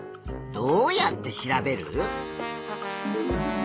どうやって調べる？